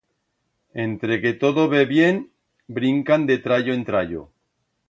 Entre que todo ve bien, brincan de trallo en trallo.